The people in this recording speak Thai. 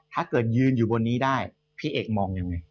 ถ้าเกิดยืนอยู่บนนี้ได้พี่เอกมองยังไง